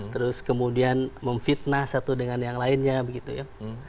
terus kemudian memfitnah satu dengan yang lainnya begitu ya